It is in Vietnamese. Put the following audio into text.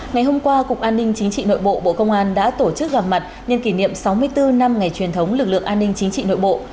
ngày hôm qua cục an ninh chính trị nội bộ bộ công an đã tổ chức gặp mặt nhân kỷ niệm sáu mươi bốn năm ngày truyền thống lực lượng an ninh chính trị nội bộ